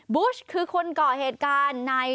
บุชคือคนก่อเหตุการณ์ใน